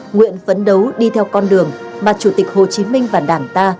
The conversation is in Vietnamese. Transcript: nguyện phấn đấu đi theo con đường mà chủ tịch hồ chí minh và đảng ta